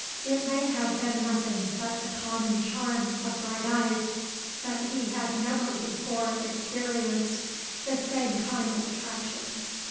It may have been nothing but the common charm of bright eyes; but he had never before experienced the same kind of attraction.